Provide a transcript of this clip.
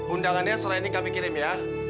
undangannya setelah ini kami kirim ya